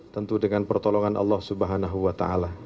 tentu dengan pertolongan allah swt